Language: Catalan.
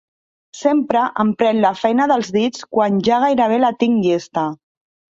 Sempre em pren la feina dels dits quan ja gairebé la tinc llesta.